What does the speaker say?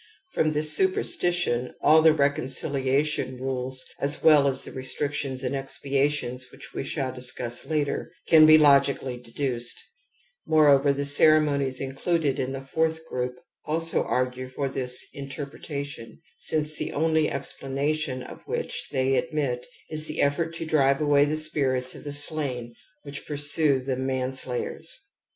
From this superstition all the reconciliation rules as well as the restrictions and expiations which we shall discuss later can be logically deduced; more over, the ceremonies included in the fourth group also argue for this interpretation, since the only explanation of which they admit is the effort to drive away the spirits of the slain which piu'sue the manslayers^'.